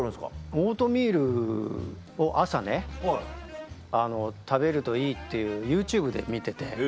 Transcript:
オートミールを朝ね食べるといいってＹｏｕＴｕｂｅで見てて。